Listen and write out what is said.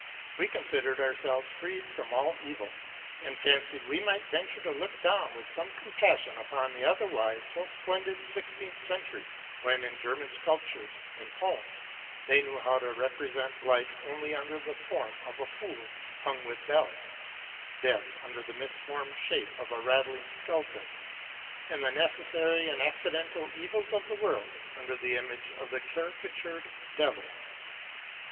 We considered ourselves freed from all evil, and fancied we might venture to look down with some compas sion upon the otherwise so splendid sixteenth century, when, in German sculptures and poems, they knew how to represent life only under the form of a fool hung with bells, death under the misformed shape of a rattling skeleton, and the necessary and accidental evils of the world under the image of the caricatured Devil.